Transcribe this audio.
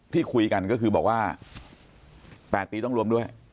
ที่คุยกันก็คือบอกว่า๘ปีต้องรวมด้วย